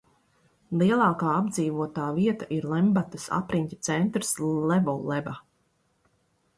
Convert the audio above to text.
Lielākā apdzīvotā vieta ir Lembatas apriņķa centrs Levoleba.